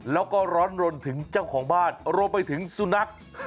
แล้วก็ร้อนรนถึงเจ้าของบ้านรวมไปถึงสุนัข